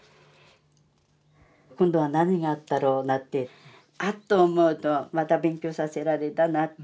「今度は何があったろう」なんてあっと思うとまた勉強させられたなって。